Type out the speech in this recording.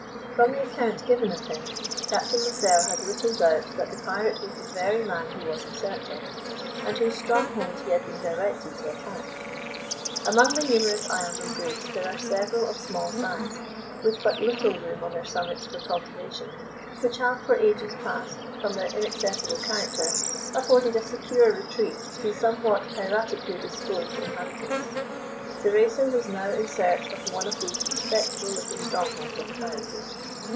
From the account given of him, Captain Lascelles had little doubt that the pirate was the very man he was in search of, and whose stronghold he had been directed to attack. Among the numerous isles of Greece there are several of small size, with but little room on their summits for cultivation, which have for ages past, from their inaccessible character, afforded a secure retreat to the somewhat piratically disposed inhabitants. The Racer was now in search of one of these respectable little strongholds of piracy.